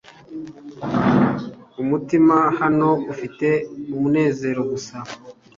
umutima hano ufite umunezero gusa